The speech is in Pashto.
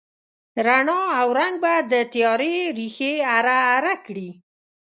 رڼا او رنګ به د تیارې ریښې اره، اره کړي